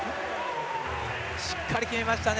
しっかり決めましたね。